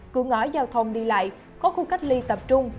cửa ngõ giao thông đi lại có khu cách ly tập trung